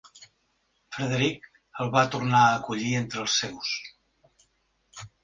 Frederic el va tornar a acollir entre els seus.